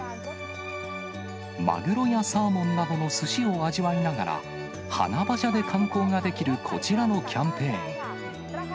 マグロやサーモンなどのすしを味わいながら、花馬車で観光ができるこちらのキャンペーン。